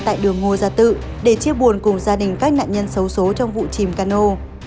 tại đường ngô gia tự để chia buồn cùng gia đình các nạn nhân xấu xố trong vụ chìm cano